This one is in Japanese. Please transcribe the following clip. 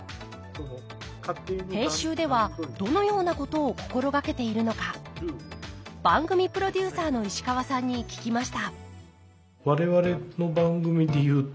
編集ではどのようなことを心掛けているのか番組プロデューサーの石川さんに聞きました